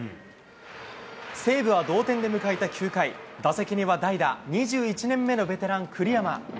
西武は同点で迎えた９回、打席には代打、２１年目のベテラン、栗山。